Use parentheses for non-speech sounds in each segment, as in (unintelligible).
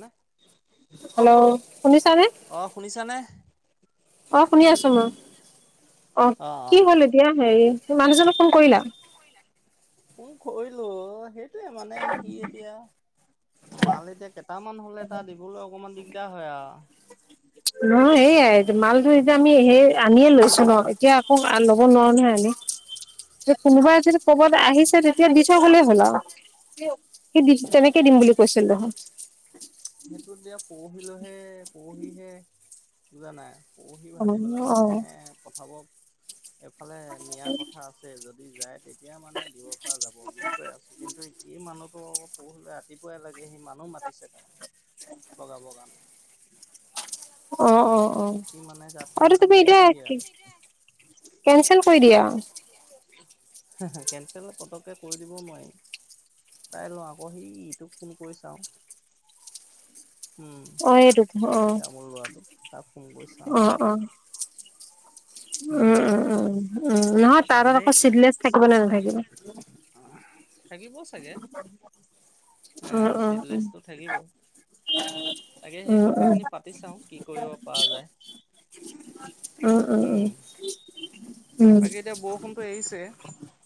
নে হেল্ল' শুনিছানে? অ, শুনিছানে? অ, শুনি আছো মই। আছো। অ, কি হ'ল এতিয়া হেৰি মানুহজনক ফোন কৰিলা। ম কৰিলো অ, সেইটোৱে মানে সি এতিয়া মাল এতিয়া কেইটামান হলে তাত দিবলৈ অকমান দিগদাৰ হয় আৰু। নহ সেয়াই মালটো এতিয়া আমি সেই আনিয়ে লৈছো ন এতিয়া আকৌ ল'ব নোৱাৰো নহয় আনি যে কোনোবা যদি ক'বাত আহিছে তেতিয়া দিছ হলে হ'ল আৰু। দি তেনেকে দিম বুলি কৈছিলো ৰহ। সেইটো দিয় পৰহিলোহে, পৰহিহে বুজা নাই, পৰহি অ ভতি পেলাই অ মানুহে পঠাব এইফালে নিয়া কথা আছে। আছে যদি যায় তেতিয়া মানে দিব পৰা যাব বুলি কৈ আছে কিন্তু এই মানহ কৌ পৰহিলে ৰাতিপুৱাই লাগে সি মানুহ মাতিছে তাৰমানে লগাবৰ কাৰণে। অ', অ', অ', সি মানে গাত চাত আৰু তুমি খান্দি এতিয়া দিয়ে কেনছেল কৰি দিয়া। কেচেল পতকৈ কৰি দিব নোৱাৰি। চাই লওঁ আকৌ সিটোক ফোন কৰি চাওঁ। (inaudible) উম, অ এইটো অ এ ত মোৰ ল'ৰাটোক তাক ফোন কৰি অ চাওচোন। অ উম, উম, উম, উম, নহয় তাৰত তাৰমানে আকৌ চিলেছ থাকিব নে নাথাকিব। অ, থাকিব চাগে উম উম উম চিটলেছটো থাকিব। তাকে সেই উম উম কথাখিনি পাতি চাওঁ কি কৰিব পৰা যায়। উ, উম, উম। বাকী এতিয়া বৰষুণতটো এৰিছে।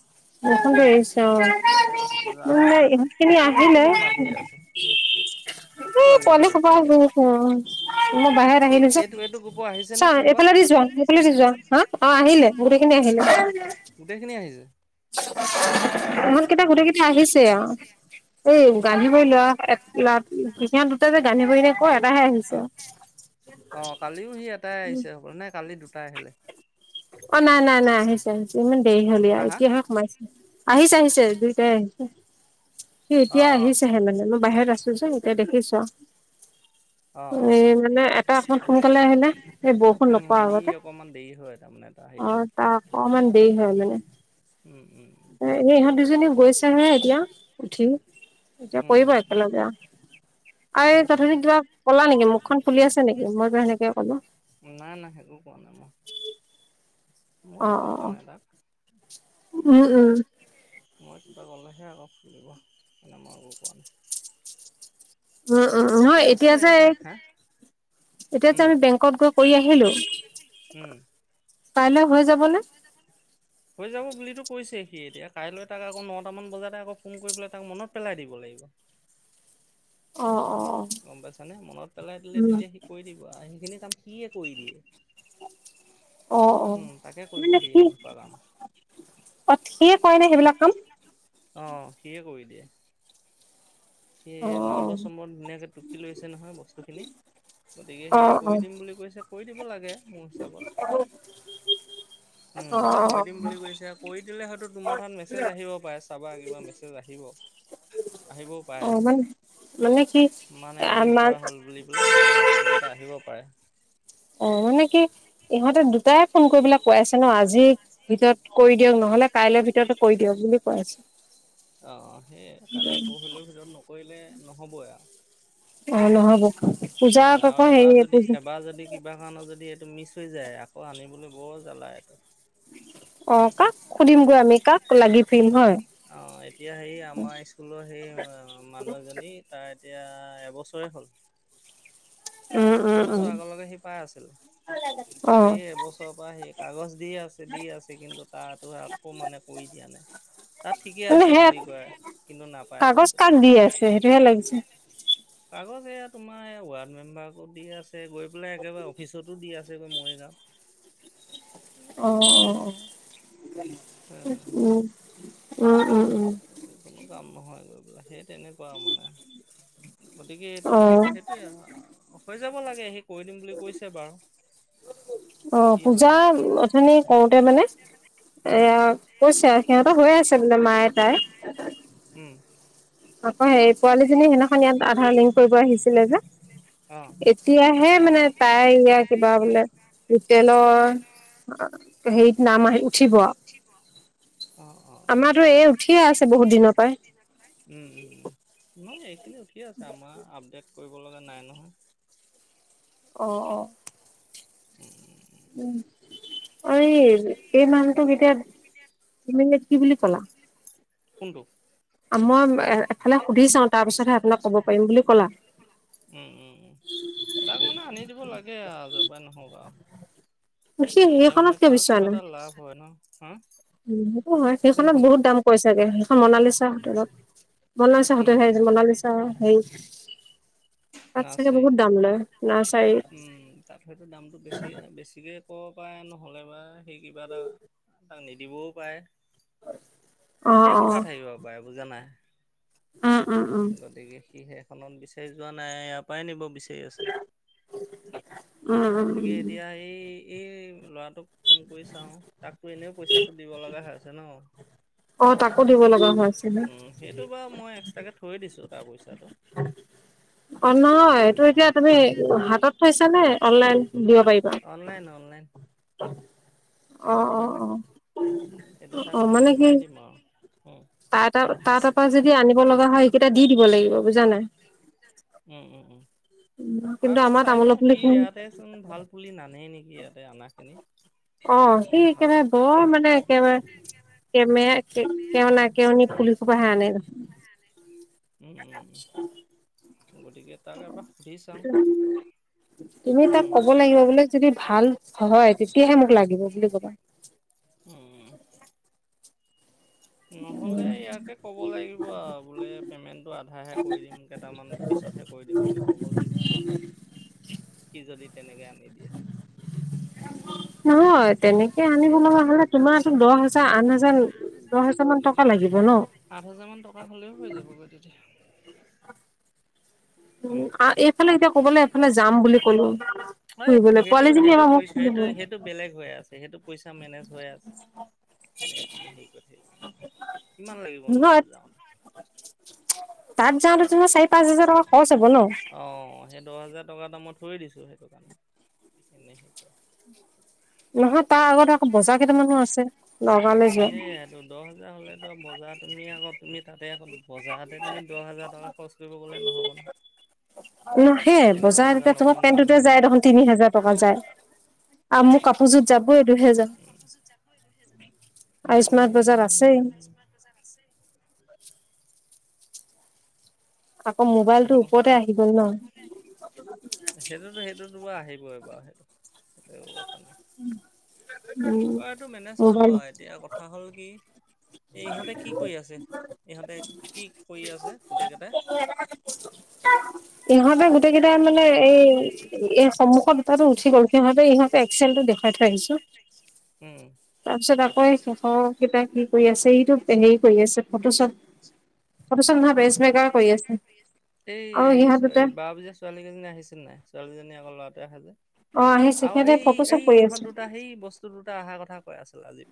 বৰষূণ উম পৰিছ অ, মে যাওঁ ইহঁত আৰু খিনি কোনে কোনে মাত আহি দি আছে ন এই পৱালি পোৱালি খব এসোপা কেৰ কেৰাই আ মই বাহিৰত আছে এই আহিলো এইটো এইটো যে। গ্ৰুপৰ আহিছে চা নে কোনোবা এইফালে দি যোৱা সফালে দি যোৱা হা অ, আহিলে গোটখিনি আহিলে। গোটেইখিনি আহিছে। ইমান কেইটা গোটেই কেইটা আহিছে আৰু। এই গান্ধিবৰি লোৱা এক লা কিখন দুটা যে গান্ধিবৰি ন ক এটাহে আহিছে। অ অ, কালিও সি এটাই আহিছে অকল নে কালি দুটাই আহিলে। অ, নাই, নাই, নাই, আহিছে, আহিছে। ইমান দেৰি হলি হা আৰু হা এতিয়াহে সোমাইছে আহিছে, আহিছে দুইটাই আহি স, অ এতিয়া আহিছেহে মানে মই বাহিৰত আছো যে এতিয়া দেখিছো আৰু অ অ অ এ, অ মানে এটা অকমান সোনকালে আহিলে এই বৰষুণ নপা আৰু এতে। অকণমান দেৰি হয় তাৰমানে এটা অ, সেইটো তাৰ অকমান দেৰি হয় মানে উম উম স ইহঁত দুজনী গৈছে। এতিয়া উঠি এতিয়া উম কৰিব একেলগে। আৰু উম এই উম তধুনিক কিবা কলা নেকি মুখখন ফুলি আছে নেকি মইতো সেনেকে কলো। নাই, নাই একো কোৱা নাই মই। মই অ একো অ কোৱা অ নাই তাক। উম উম মই কিবা গ'লেহে অলপ ফ দিব এ মই একো কোৱা নাই। উম, উম, হয়, এতিয়া আছে যে হা এতিয়া যে উম আমি বংগত গৈ কৰি আহিলো কইলৈ কাইলৈ হৈ যাব নে? হৈ যাব বুলিতো কৈছে সি এতিয়া কাইলৈ তাক আকৌ নটামান বজাতে আকৌ ফোন কৰি পেলাই তাক মনত পেলাই দিব লাগিব। অ', অ', অ'। গম পাইছানে মনত পেলাই দিলে উম তেতিয়া সি কৰি দিব আৰু সেইখিনি কাম সিয়ে কৰি দিয়ে। অ', অ', উম তাকে কৰিব মানে দিয়ে কি সেইসোপা কাম অ, সিয়ে কৰে ন সেইবিলাক কাম অ, সিয়ে কৰি দিয়ে। সি অ নম্বৰ, চম্বৰ ধুনীয়াকে টুকি লৈছে নহয় বস্তুখিনি। গতিকে অ সেয়ে অ কৰি দিম বুলি কৈছে কৰি দিব লাগে মোৰ হিচাপে। অ'। উম, অ কৰি অ দিম বুলি কৈছে। কৰি দিলে হয়তো তোমাৰ তাত মেছেজ আহিব পাৰে চাবা কিবা মেছেজ আহিব। আহিবও অ পাৰে মানে মানে কি মানে লিংক আমাৰ কৰা হ'ল বুলি। বোলে তেনেকে মেছেজ এটা আহিব পাৰে। অ, মানে কি ইহঁতে দু তাই ফোন কৰিবলে কৈ আছে ন, আজিৰ ভিতৰত কৰি দিয়ক নহলে কাইলৈৰ ভিতৰতে কৰি দিয়ক বুলি কৈ আছে। (inaudible) অহ, সেই কাইলৈ পৰহিলিৰ ভিতৰত নকৰিলে নহবই আৰু। অ নহব উম, পূজাক আৰু আকৌ হেৰি এবাৰ যদি পূজা এবাৰ যদি কিবা কাৰণত যদি এইটো মিছ হৈ যায় আকৌ আনিবলৈ গৰ জ্বালা এইটো। অ, কাক সুধিমগৈ আমি কাক লাগি ফুৰিম হয়। অ, এতিয়া হেৰি আমাৰ স্কুলৰ সেই মানুহ এজনী তাৰ এতিয়া এবছৰে হ'ল। উম উম উম এবছৰ আগলৈকে সি পাই আছিলে। (inaudible) সে এবছৰৰ পৰা সেই কাগজ দি আছে, দি আছে কিন্তু তাতাতো আকৌ মানে কৰি দিয়া নাই। তাত ঠিকে মানে আছে সেই বুলি কয় কিন্তু নাপায় কাগজ বস্তুটো। কাক দি আছে সেইটোহে লাগিছে কাগজ এয়া তোমাৰ এই ৱাৰ্ড মেম্বাৰকো দি আছে গৈ পেলাই একেবাৰে অফিচতো দি আছে। যে মইহেজাম। অ', অ', অ', উম, উম, উম। উম এই কোনো কাম নহয় গৈ পেলাই সেই তেনেকুৱা আৰু মানে গতিকে এইটো অ সেইটোয়ে হৈ যাব লাগে স কৰি দিম বুলি কৈছে বাৰু। অ, কি হয় পূজা আৰু অথনি কৰোতে মানে উম এয়া কৈছা সিহঁতৰ হৈ আছে। মায়ে তাই উম। আকৌ সেই পোৱালীজনী সেইদিনাখন ইয়াত আধাৰ লিংক কৰিব আহিছিলে যে অ এতিয়াহে মানে তাই ইয়া কিবা বোলে হোটেলৰ হেৰিত নাম আহি উঠিব আৰু। (inaudible) অ', অ', অ', আমাৰতো এই আমাৰো উঠিয়ে এই আছে বহুত উঠিয়ে দিনৰ আছে পৰাই বহুত দিনত। উম, উম, উ, নহয় এইখিনি উঠিয়ে আছে আমাৰ আপডেট কৰিব লগা নাই নহয়। অ', অ'। উম, উম, উম। আৰু এই, এই মানুহটোক এতিয়া তুমি কি বুলি ক'লা? (inaudible) কোনটো? মই এ, এফালে সুধি চাওঁ। তাৰ সুধি চাও পিছতহে তাৰ আপোনাক পিছতহে ক'ব ক'লা পাৰিম বুলি কলা। উম, উম, উ, তাক মানে আনি দিব লাগে আও য পাৰেই নহওক, আও। সি তেতিয়া মানে সেইখনত কিয় তাৰো বিচৰা কিবা নাই এটা লাভ হয় ন। সেইটো হয় সেইখনত কোনখনত বহুত দাম পৰিছেগে। সেইখন মনালিচা হোটেলত। উম বনালিচাহঁতে সে উম বনালিচা হ, হেৰি তাত চাগে নাৰ্চাৰী বহুত দাম লয়। নাৰচাৰী। উম, তাত হয়তো দামটো বেছি, বেছিকে ক'ব পাৰে নহ'লে বা সেই কিবা এটা তাক নিদিবও পাৰে। অ ধেৰ অ কথা থাকিব পাৰে বুজা নাই। উম উম উম গতিকে সি সেইখনত বিচাৰি যোৱা নাই ইয়াৰ পৰাই নিব বিচ আছে উম উম গতিকে উম এতিয়া এই, এই ল'ৰাটোক ফোন কৰি চাও তাকো এনেও পইচাটো দিব লগা হৈছে ন। অ, তাকো দিব লগা হৈ আছিলে। সিটো বাৰু মই এক্সট্ৰাকৈ থৈ দিছোঁ তাৰ পইচাটো। অ, সেইটো বাৰু দি নহয় দিম এইটো বাৰু এতিয়া তুমি হাতত থৈছা নে অনলাইন দিব পাৰিবা। Online, online. হাতত অ', থোৱা অ', নাই অ', সেইটো তাক অ', মানে অনলাইন কি? মাৰি দিম আৰু উম তাৰ, তাৰ পৰা যদি আনিব লগা হয় সেইকেইটা দি দিব লাগিব বুজা নাই। উম, উম, উম। তাত, কিন্তু তাত আমাৰ চাই তামোলৰ লওঁ পুলি সি খিনি ইয়াতে চোন ভাল পুলি নানেই নেকি ইয়াতে অনা খিনি অ, সি একেবাৰে বৰ মানে একেবাৰে কেমে, কেউনা, কেউনি পুলি সপাহে আনে। উম, উম, গতিকে তাক এবাৰ সুধি চাও। তুমি তাক ক'ব লাগিব বোলে যদি ভাল হয় তেতিয়াহে মোক লাগিব বুলি ক'বা। উম। নহ'লে ইয়াকে ক'ব লাগিব বোলে পেমেন্টটো আধাহে কৰি দিম। কেইটামান পিছতহে কৰি দিম বুলি ক'ব লাগিব সিমানটো সি যদি তেনেকে আনি দিয়ে। নহয়। তেনেকে আনিব লগা হলে তোমাৰতো দহ হাজাৰ, আঠ হাজাৰ, দহ হাজাৰ মান টকা লাগিব ন। আঠ হাজাৰমানান টকা হ'লেও হৈ যাব গৈ তেতিয়া। উম, এইফালে এতিয়া ক'বলৈ এফালে যাম বুলি ক'লো হয় ফুৰিবলৈ সেইটো, পোৱালীজনী সেইটো এবাৰ মোক কৈছো, সুধিব সেইটো, সেই সেইটো বেলেগ হৈ আছে সেইটো পইচা মেনেজ হৈ আছে। এনে তুমি হেৰি কৰি থাকিবা কিমান লাগিবনো নহয় তাত যাওঁতে। তাত যাওঁতে তোমাৰ চাৰি, পাঁচ হাজাৰ টকা খৰচ হ'ব ন। অ, সেই দহ হাজাৰ টকা এটা মই থৈ দিছো সেইটো কাৰণে। এনেহে কৈ আছো। নহয় তাৰ আগত আকৌ বজাৰ কেইটামানো আছে নগাঁওলৈ যোৱা সেইয়েটো। দহ হেজাৰ হ'লেতো আৰু বজাৰ তুমি আকৌ তুমি তাতে আকৌ বজাৰতে তুমি দহ হাজাৰ টকা খৰচ কৰিব গ'লে নহ'ব। নহয় নাহে তেনেকুৱা বজাৰত বজাৰ এতিয়া তোমাক নকৰিমগৈ পেণ্টটোৱে নহয় মই যায় দেখোন। তিনি হাজাৰ টকা যায় আৰু মোক কাপোৰ যোৰত যাবই। দুহেজাৰ আৰু স্মাৰ্ট বজাৰ আছেই উম। আকৌ মোবাইলটো ওপৰতে আহি গ'ল ন। সেইটোতো, সেইটোতো বাৰু আহিবই বাৰু সেইটো, সেইটো কথা নাই। উম। বাৰু এইটো মেনেজ হ'ব মোবাইল আৰু এতিয়া কথা কথা হ'ল কি এই ইহঁতে কি কৰি আছে, ইহঁতে কি কৰি আছে, গোটেইকেইটা (inaudible) ইহঁতে গোটেই কেইটাই ইহঁতে মানে গোটেই কেইটাৰ এই মানে এই, সন্মুখৰ এই দুটাটো উঠি চুখত গ'ল কটো সিহঁতে উচি গ'ল ইহঁতে সিহঁতে এক্সেলটো দেখাই থৈ আহিছো। ইহঁতে উম। তাৰপিছত আকৌ এই শেষৰ কেইটা কি কৰি আছে। এইটো হেৰি কৰি আছে ফটোশ্বত। ফটোশ্বট নহয় বেজ বেগাৰ কৰি আছে। এই, আৰু সিহঁত দুটা এই বাৰ পজীয়া ছোৱালী কেইজনী আহিছিল নাই ছোৱালীজনী আকৌ ল'ৰাটো আহা যে অ আহিছে আৰু সিহঁতে এই, ফটোশ্বপ এই কৰি ইহঁত আছে দুটা সেই বস্তু দুটা আহাৰ কথা কৈ আছিল আজি।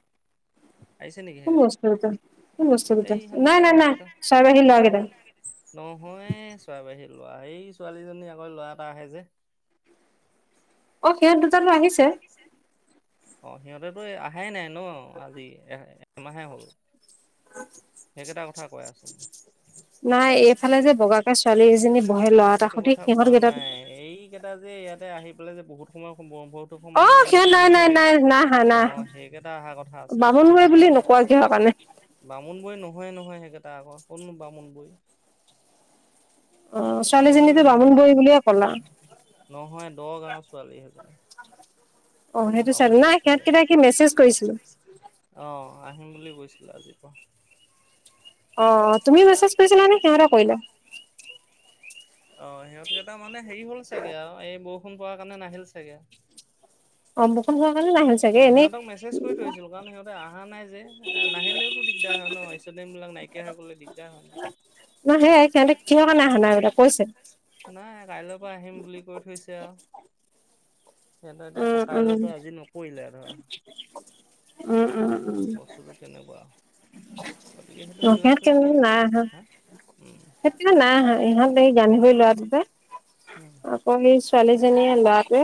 আহিছে নেকি সেই কোন কথা বস্তু দুটা কোন বস্তু দুটা এই স, নাই কথা নাই হে নাই কথা চৰাই বাহী ল'ৰা কেইটা নহয় চৰা বাহী ল'ৰা সেই ছোৱালীজনী আকৌ ল'ৰা এটা আহে যে। অ, সিহঁত দুটাতো আহিছে। অ, সিহঁতেতো আহাই নাই ন আজি এ, এমাহে হ'ল। সেইকেইটা কথা কৈ আছো। নাই এইফালে ফালে যে বগাকে ছোৱালী এজনী বহে ল'ৰা এটা সেইটো সতি কথা সিহঁত কোৱা কেইটাত নাই এই কেইটা যে ইয়াতে আহি পেলাই যে বহুত সময় বৰত সময় অ এনেই যে সিহঁত নাই বহি নাই থাকে নাই অ, সেইকেইটা অহা কথা। আছিলে বামুণগে সিহঁত বুলি নকোৱা কিহৰ কাৰণে বামুণ বৈ নহয়ে, নহয় সেইকেইটা আকৌ কোনো বামুণ বৈ অ বামুণবুৰে ছোৱালীজনীতো নহয়, বামুণবুঢ়ী বুলিয়ে ক'লা নহয়, নহয় দহ গাওৰ ছোৱালীহেজননী অ কোনো সেইটো বামন চাইডে বৈ নাই সিহঁতকেইটা কি মেছেজ কৰিছিলো আহ, আহিম বুলি কৈছিলে আজি পৰা। অ, তুমি মেছেজ কৰিছিলা নে সিহঁতে কৰিলো। অ, সিহঁতকেইটা মানে হেৰি হ'ল চাগে আৰু এই বৰষুণ প, কাৰণে নাহিল চাগে। অম্বক চ, গাললে নাহ। উ, সিহঁতক মেছেজ কৰি থৈছিলো কাৰণ সিহতে অহা নাই যে নাহিলেওতো দিগদাৰ হয় ন ষ্টুডেট বিলাক নাই। শকে হৈ গলে দিগদাৰ হয় ন। নহ সেয় সহঁতে কিহৰ কাৰণে অহা নাই বোক কৈছে। নাই কাইলৈৰ পৰা আহিম বুলি কৈ থৈছে আৰু। সিহঁত এতিয়া উম উম কাইলৈতো আজি নকৰিলে ধৰা। উম উম উম বসুটো তেনেকুৱা। গতিকে সেইটো অ মিলাই সিহঁত পেলাই কৰিব সতো। সেই নাই ইহঁতে স, জানিবই লোৱা বাবে উম আকৌ সেই ছোৱালীজনীয়ে লটোৱে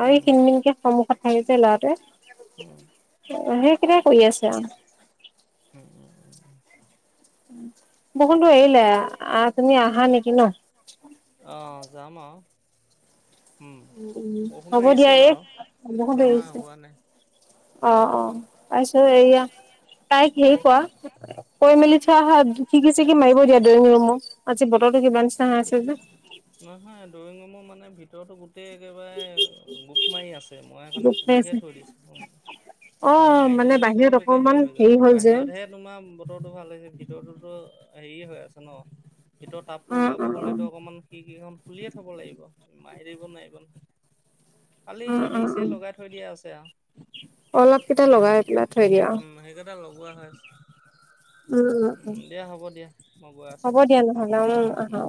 আৰু এই উম সিনমিনকে সন্মুখত থাকিছে ল'ৰা উম উম (unintelligible) (inaudible) বকুটো এৰিলে আহ তুমি আহা নেকি ন। অ, যাম। উম, উ, উ, বৰষুণটো হ'ব এৰিছে দিয়া এই বাৰু। বহুত নহয় দেৰিছে। হোৱা নাই। অ', অ', তাৰপিছত এয়া তাইক হে কোৱা কৈ মেলি চোৱা শিকি, চিকি মাৰিব দিয়া দৰি ৰুমো আজি বতৰটো কিবা নি আছে যে নহয় ড্ৰয়িং ৰুমৰ মানে ভিতৰতো গো গোটেই একেবাৰে গোপ মাৰি আছে মই সেইকাৰণে দুখ পাই আছে। পুলিহে থৈ দিছোঁ। এ, অ', মাৰি মানে দিলে বাহিৰত চব একে অকমান হেৰি হৈ যাব হ'ল যে। বাহিৰতহে। তোমাৰ বতৰটো ভাল হৈছে ভিতৰতৰতোতো হেৰিয় হৈ আছে ন। ভিতৰ টাপটো উম, ওলাব উম, উম। হ'লেতো অকমান সি কেইখন খুলিয়ে থব লাগিব মাৰি দিব নোৱাৰিব নহয়। কালি হেৰিছে লগাই থৈ দিয়া আছে আৰু। অলপকেইটা লগাই পেলাই থৈ দিয়। উম, সেইকেইটা লগোৱা হৈ আছে। উম, উম, উম, দিয়া হ'ব দিয়া মই গৈ আছোঁ হ'ব বাৰু দিয়া নহ'লে উম, আহা আহ।